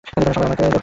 সব আমার ফোনে ছিল।